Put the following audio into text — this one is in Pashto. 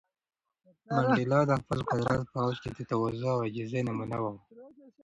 منډېلا د خپل قدرت په اوج کې د تواضع او عاجزۍ نمونه و.